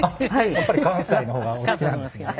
やっぱり関西の方がお好きなんですね。